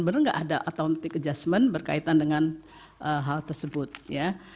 benar nggak ada automatic adjustment berkaitan dengan hal tersebut ya